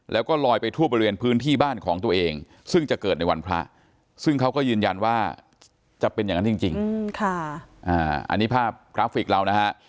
แล้วก็ลอยไปทั่วบริเวณพื้นที่บ้านของตัวเองซึ่งจะเกิดในวันพระซึ่งเขาก็ยืนยันว่าจะเป็นอย่างนั้นจริงอันนี้ภาพกราฟิกเรานะฮะ